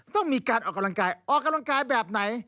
ต้องมีการออกกำลังกายออกกำลังกายแบบไหน